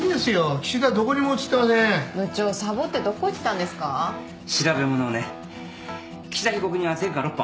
岸田被告人は前科６犯。